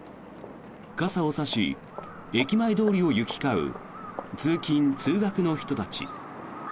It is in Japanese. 傘を差し、駅前通りを行き交う通勤通学の人たち。